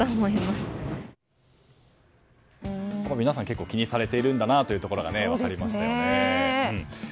皆さん、結構気にされてるんだなということが分かりましたよね。